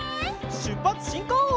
しゅっぱつしんこう！